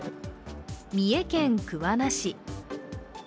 三重県桑名市。